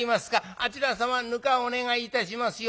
あちら様糠お願いいたしますよ。